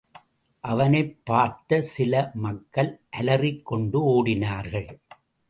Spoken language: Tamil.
அவனைப் பார்த்த சில மக்கள் அலறிக் கொண்டு ஓடினார்கள்.